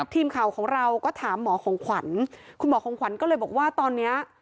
ทีมข่าวของเราก็ถามหมอของขวัญคุณหมอของขวัญก็เลยบอกว่าตอนเนี้ย